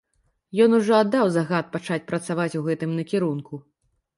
Ён ужо аддаў загад пачаць працаваць у гэтым накірунку.